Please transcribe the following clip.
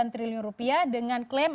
triliun rupiah dengan klaim